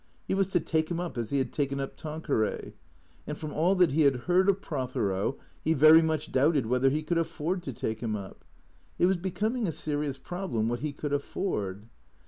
He was to take him up as he had taken up Tanqueray. And from all that he had heard of Prothero he very much doubted whether he could afford to take him up. It was becoming a serious prob lem what he could afford.